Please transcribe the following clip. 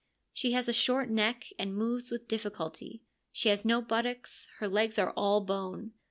She has a short neck, and moves with difficulty ; she has no buttocks, her legs are all bone.